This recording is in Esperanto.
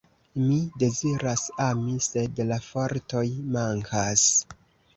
Mi deziras ami, sed la fortoj mankas.